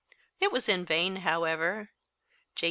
It was in vain, however. J.